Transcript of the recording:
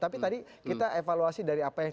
tapi tadi kita evaluasi dari apa yang